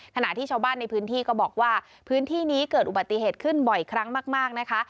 ขณะที่ชาวบ้านในพื้นที่ก็บอกว่าพื้นที่นี้เกิดอุบัติเหตุขึ้นบ่อยครั้งมากนะคะ